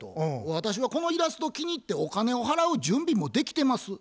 「私はこのイラスト気に入ってお金を払う準備もできてます。